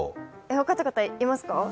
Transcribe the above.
分かった方いますか？